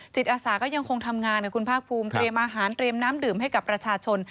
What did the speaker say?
อาสาก็ยังคงทำงานนะคุณภาคภูมิเตรียมอาหารเตรียมน้ำดื่มให้กับประชาชน